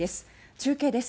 中継です。